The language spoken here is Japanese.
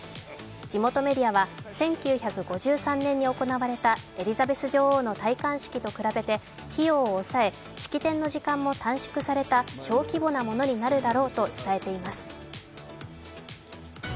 地元メディアは１９５３年に行われたエリザベス女王の戴冠式と比べて費用を抑え、式典の時間も短縮された小規模なものになるだろうと伝えています。